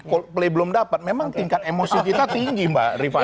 kalau play belum dapat memang tingkat emosi kita tinggi mbak rifana